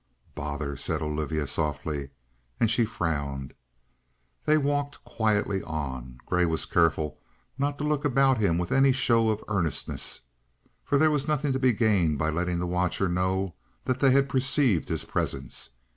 "Bother!" said Olivia softly, and she frowned. They walked quietly on. Grey was careful not to look about him with any show of earnestness, for there was nothing to be gained by letting the watcher know that they had perceived his presence.